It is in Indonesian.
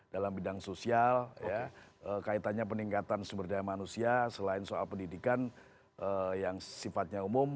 dalam bidang sosial kaitannya peningkatan sumber daya manusia selain soal pendidikan yang sifatnya umum